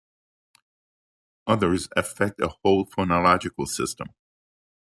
Others affect a whole phonological system.